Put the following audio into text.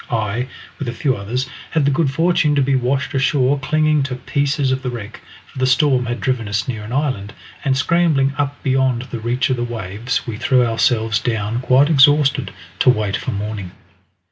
I, with a few others, had the good fortune to be washed ashore clinging to pieces of the wreck, for the storm had driven us near an island, and scrambling up beyond the reach of the waves we threw ourselves down quite exhausted, to wait for morning.